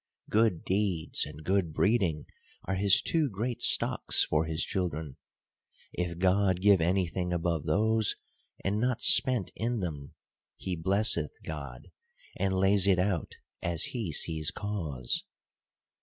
Good deeds and good breeding are his two great stocks for his children ; if God give any thing above those, and not spent in them, he blesseth God, and lays it out as he sees cause.